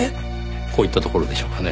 こういったところでしょうかね。